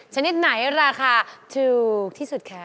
ชนิดไหนราคาถูกที่สุดคะ